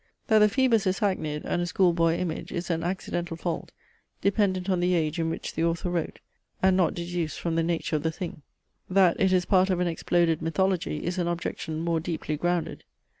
That the "Phoebus" is hackneyed, and a school boy image, is an accidental fault, dependent on the age in which the author wrote, and not deduced from the nature of the thing. That it is part of an exploded mythology, is an objection more deeply grounded.